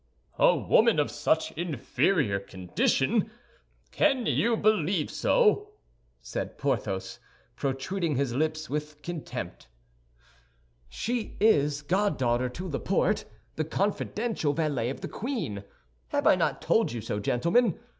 "A woman of such inferior condition! Can you believe so?" said Porthos, protruding his lips with contempt. "She is goddaughter to Laporte, the confidential valet of the queen. Have I not told you so, gentlemen?